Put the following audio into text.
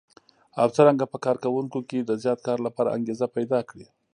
او څرنګه په کار کوونکو کې د زیات کار لپاره انګېزه پيدا کړي.